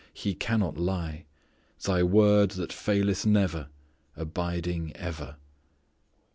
He cannot lie. Thy Word that faileth never: Abiding ever."